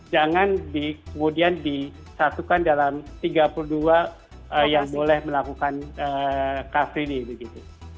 jangan kemudian disatukan dalam tiga puluh dua yang boleh melakukan car free day